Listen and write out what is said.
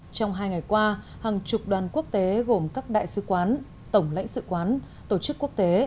trong hai ngày qua hàng chục đoàn quốc tế gồm các đại sứ quán tổng lãnh sự quán tổ chức quốc tế